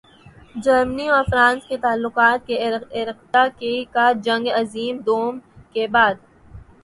جرمنی اور فرانس کے تعلقات کے ارتقاء کا جنگ عظیم دوئم کے بعد۔